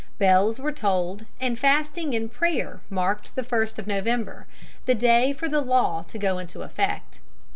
Bells were tolled, and fasting and prayer marked the first of November, the day for the law to go into effect.